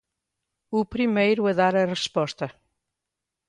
O primeiro a dar a resposta